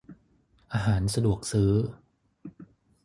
อาหารสะดวกซื้อ